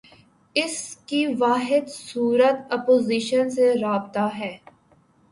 اس کی واحد صورت اپوزیشن سے رابطہ ہے۔